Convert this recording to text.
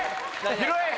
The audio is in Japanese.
拾え！